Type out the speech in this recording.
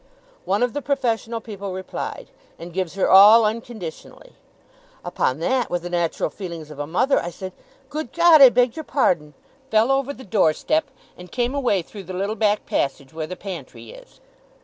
One of the professional people replied, "And gives her all unconditionally." Upon that, with the natural feelings of a mother, I said, "Good God, I beg your pardon!" fell over the door step, and came away through the little back passage where the pantry is.